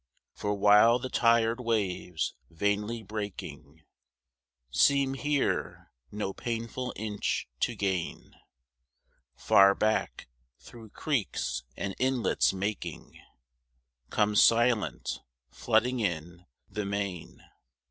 For while the tired waves, vainly breaking, Seem here no painful inch to gain, Far back, through creeks and inlets making, Comes silent, flooding in, the main.